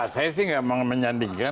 saya sih enggak mau menyandingkan